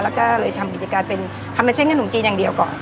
แล้วก็เลยทำกิจการเป็นทำเป็นเส้นขนมจีนอย่างเดียวก่อน